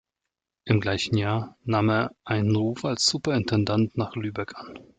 Im gleichen Jahr nahm er einen Ruf als Superintendent nach Lübeck an.